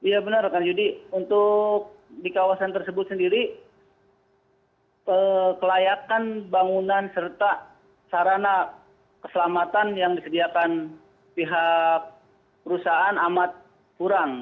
ya benar rekan jadi untuk di kawasan tersebut sendiri kelayakan bangunan serta sarana keselamatan yang disediakan pihak perusahaan amat kurang